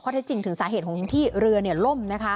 เท็จจริงถึงสาเหตุของที่เรือล่ม